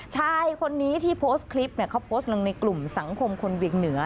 ชายคนนี้ที่โพสต์คลิปเนี่ยเขาโพสต์ลงในกลุ่มสังคมคนเวียงเหนือ